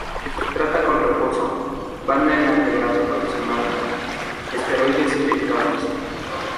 Se trata con reposo, banda en antebrazo proximal, esteroides inyectados.